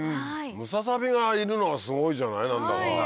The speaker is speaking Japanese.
ムササビがいるのがすごいじゃない何だか。